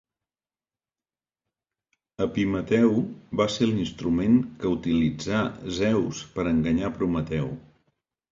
Epimeteu va ser l'instrument que utilitzà Zeus per enganyar Prometeu.